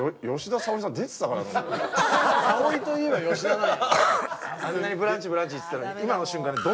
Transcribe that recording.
沙保里といえば吉田だな。